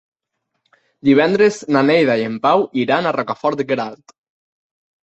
Divendres na Neida i en Pau iran a Rocafort de Queralt.